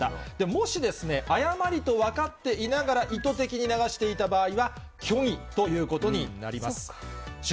もし誤りと分かっていながら、意図的に流していた場合は、虚偽ということになります。